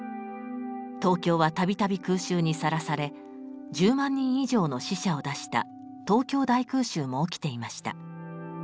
東京は度々空襲にさらされ１０万人以上の死者を出した東京大空襲も起きていました。